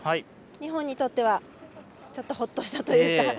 日本にとってはちょっと、ほっとしたというか。